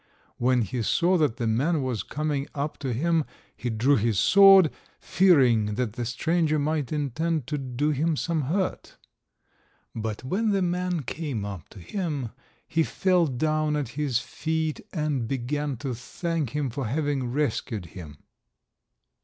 When he saw that the man was coming up to him, he drew his sword, fearing that the stranger might intend to do him some hurt. But when the man came up to him, he fell down at his feet, and began to thank him for having rescued him.